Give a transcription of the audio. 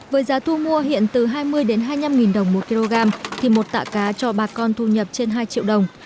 với giá thu mua hiện từ hai mươi hai mươi năm đồng một kg thì một tạ cá cho bà con thu nhập trên hai triệu đồng